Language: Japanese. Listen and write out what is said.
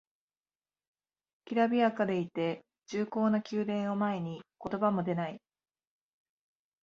きらびやかでいて重厚な宮殿を前に言葉も出ない